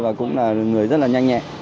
và cũng là người rất là nhanh nhẹ